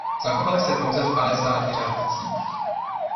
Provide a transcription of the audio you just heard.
Zachovaly se pouze v padesáti řádcích.